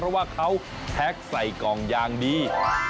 เพราะว่าเขาแพ็คใส่กล่องยางดี